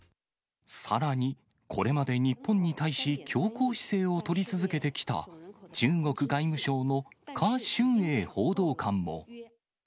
さらに、これまで日本に対し、強硬姿勢を取り続けてきた、中国外務省の華春瑩報道官も。